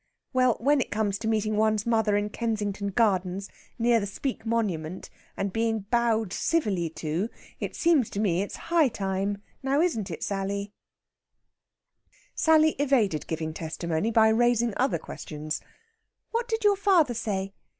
Well, when it comes to meeting one's mother in Kensington Gardens, near the Speke Monument, and being bowed civilly to, it seems to me it's high time.... Now, isn't it, Sally?" Sally evaded giving testimony by raising other questions: "What did your father say?"